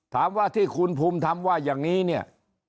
ถามว่าที่คุณภูมิทำว่าอย่างนี้เนี่ย